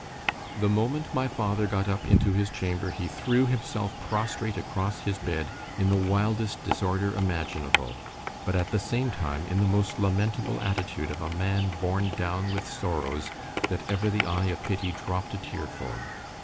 The moment my father got up into his chamber, he threw himself prostrate across his bed in the wildest disorder imaginable, but at the same time in the most lamentable attitude of a man borne down with sorrows, that ever the eye of pity dropp'd a tear for.